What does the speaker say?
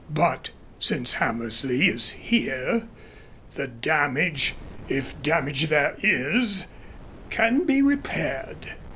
But since Hammersley is here, the damage, if damage there is, can be repaired.